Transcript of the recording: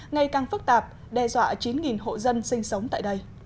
ngày càng phức tạp đe dọa chín hộ dân sinh sống tại đây